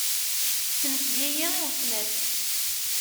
Tessenked-iyi i uletma-s.